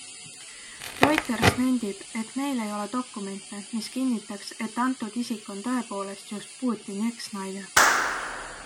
Reuters nendib, et neil ei ole dokumente, mis kinnitaks, et antud isik on tõepoolest just Putini eksnaine.